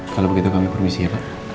kalau begitu kami permisi ya pak